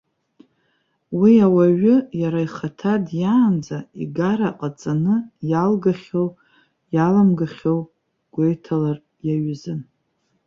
Уи ауаҩы, иара ихаҭа диаанӡа, игара ҟаҵаны иалгахьоу иалымгахьоу гәеиҭалар иаҩызан.